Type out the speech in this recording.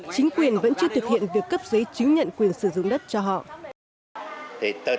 chính quyền vẫn chưa thực hiện việc cấp giấy chứng nhận quyền sử dụng đất cho họ